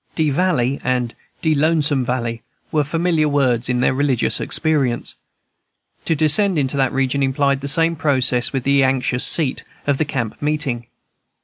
"De valley" and "de lonesome valley" were familiar words in their religious experience. To descend into that region implied the same process with the "anxious seat" of the camp meeting.